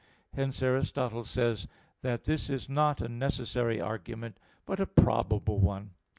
Hence Aristotle says (Metaph. xii, text 44) that this is not a necessary argument, but a probable one.